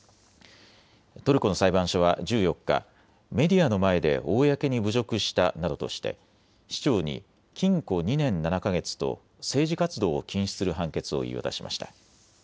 トルコの裁判所は１４日、メディアの前で公に侮辱したなどとして市長に禁錮２年７か月と政治活動を禁止する判決を言い渡しました。